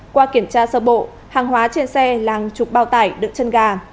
qua kiểm tra sơ bộ hàng hóa trên xe làng trục bao tải được chân gà